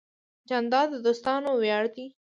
جانداد د دوستانو ویاړ دی.